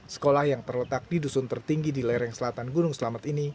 sekolah yang terletak di dusun tertinggi di lereng selatan gunung selamet ini